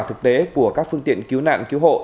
thực tế của các phương tiện cứu nạn cứu hộ